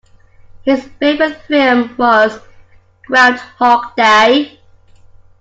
His favourite film was Groundhog Day